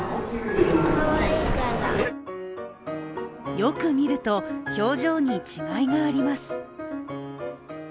よく見ると、表情に違いがあります。